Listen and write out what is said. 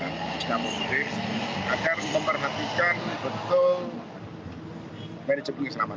yang sudah mau mudik agar memperhatikan bentuk manajemen istirahat